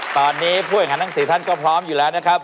ตอนนี้ผู้หญิงหนังสีท่านก็พร้อมอยู่แล้วนะครับ